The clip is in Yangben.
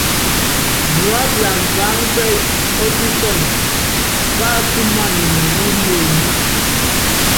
Wu ápiana paána pɛ́yí ɔ́tísɔnɛ, páátúmanini wú muenyi.